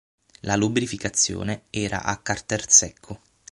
La lubrificazione era a carter secco.